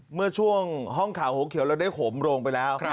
เมื่อช่วงห้องข่าวหัวเขียวเราได้ขมโรงไปแล้ว